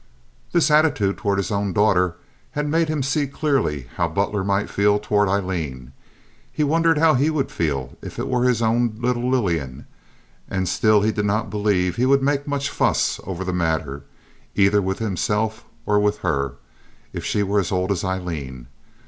This attitude toward his own daughter made him see clearly how Butler might feel toward Aileen. He wondered how he would feel if it were his own little Lillian, and still he did not believe he would make much fuss over the matter, either with himself or with her, if she were as old as Aileen.